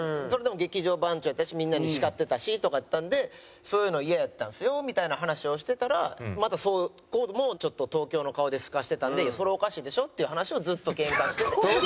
それでも劇場番長やったしみんなに叱ってたしとかやったんでそういうのイヤやったんですよみたいな話をしてたらまたそこもちょっと東京の顔ですかしてたんでいやそれおかしいでしょっていう話をずっとけんかしてて。